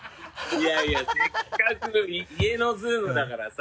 いやいやせっかく家のＺｏｏｍだからさ。